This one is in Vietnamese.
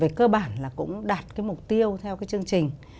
về cơ bản là cũng đạt cái mục tiêu theo cái chương trình